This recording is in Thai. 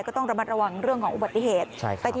ก็ต้องระมัดระวังเรื่องของอุบัติเหตุ